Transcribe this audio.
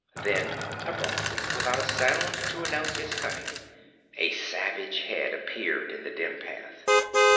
Then abruptly, without a sound to announce its coming, a savage head appeared in the dim path.